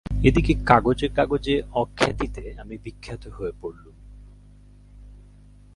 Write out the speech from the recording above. এ দিকে কাগজে কাগজে অখ্যাতিতে আমি বিখ্যাত হয়ে পড়লুম।